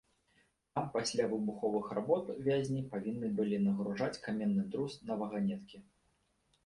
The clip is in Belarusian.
Там пасля выбуховых работ вязні павінны былі нагружаць каменны друз на ваганеткі.